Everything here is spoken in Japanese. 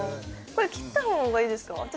これ切ったほうがいいですか？